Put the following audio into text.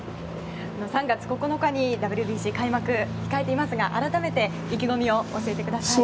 ３月９日にＷＢＣの開幕、控えていますが改めて意気込みを教えてください。